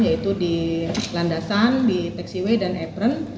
yaitu di landasan di taxiway dan apren